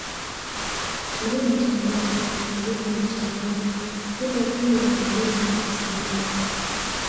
Mlima Chambolo na Milima ya Changuge ipo pia Milima ya Chasamila